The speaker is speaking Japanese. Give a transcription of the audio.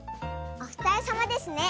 おふたりさまですね。